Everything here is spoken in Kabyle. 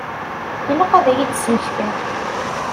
Ilaq ad iyi-d-tesmektiḍ.